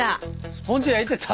スポンジ焼いてた？